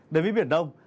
đến với biển đông